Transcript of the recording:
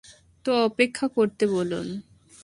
তো অপেক্ষা করতে বলুন।